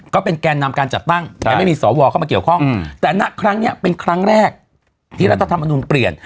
แกนนำการจัดตั้งแต่ไม่มีสวเข้ามาเกี่ยวข้องแต่ณครั้งนี้เป็นครั้งแรกที่รัฐธรรมนุนเปลี่ยน